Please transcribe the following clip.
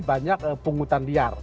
banyak pungutan liar